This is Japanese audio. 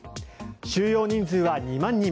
収容人数は２万人。